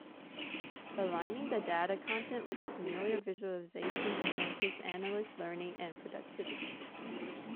Aligning the data content with a familiar visualization enhances analyst learning and productivity.